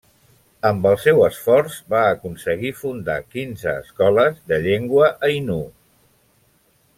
Amb el seu esforç va aconseguir fundar quinze escoles de llengua ainu.